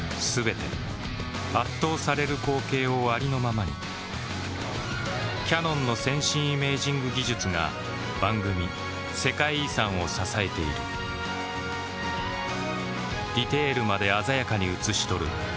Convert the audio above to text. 全て圧倒される光景をありのままにキヤノンの先進イメージング技術が番組「世界遺産」を支えているディテールまで鮮やかに映し撮る